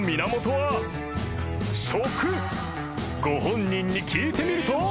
［ご本人に聞いてみると］